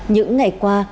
những ngày qua